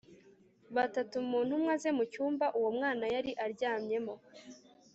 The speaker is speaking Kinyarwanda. batatu mu ntumwa ze mu cyumba uwo mwana yari aryamyemo